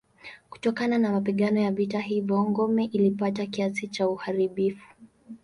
Kutokana na mapigano ya vita hivyo ngome ilipata kiasi cha uharibifu.